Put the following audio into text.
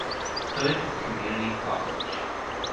Hood Community College.